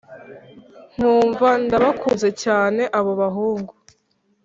nkumva ndabakunze cyane abo bahungu